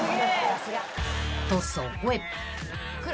［とそこへ］